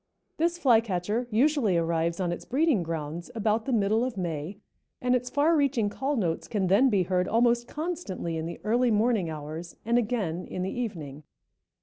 This Flycatcher usually arrives on its breeding grounds about the middle of May, and its far reaching call notes can then be heard almost constantly in the early morning hours and again in the Four Birds & Nature Tues—Hammond evening.